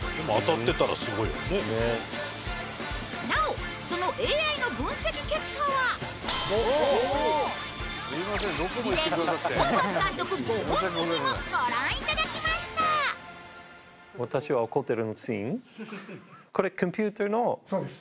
ねっなおそのＡＩの分析結果は事前にホーバス監督ご本人にもご覧いただきましたそうです